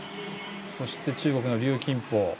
そして、中国の龍金宝。